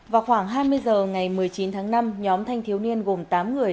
vào khoảng hai mươi h ngày một mươi chín tháng năm nhóm thanh thiếu niên gồm tám người